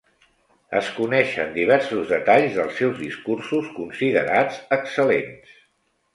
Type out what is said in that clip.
Es coneixen diversos detalls dels seus discursos considerats excel·lents.